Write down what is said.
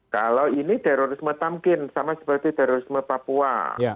kalau ini terorisme tamkin sama seperti terorisme papua